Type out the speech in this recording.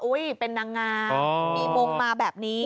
เป็นนางงามมีมงมาแบบนี้